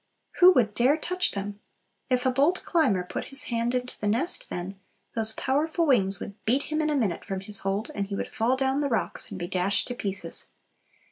Who would dare touch them? If a bold climber put his hand into the nest then, those powerful wings would beat him in a minute from his hold, and he would fall down the rocks and be dashed to pieces.